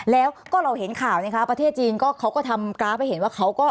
แล้วก็เราเห็นข่าวนะคะประเทศจีนก็เขาก็ทำกราฟให้เห็นว่าเขาก็